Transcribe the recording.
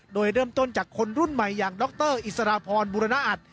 โดยเริ่มต้นจากคนรุ่นใหม่อย่างดรอิสรพรบุรณอัต